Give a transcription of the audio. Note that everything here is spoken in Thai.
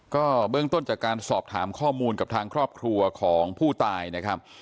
ก็เบื้องต้นจากการสอบถามข้อมูลกับทางครอบครัวของผู้ตายนะครับ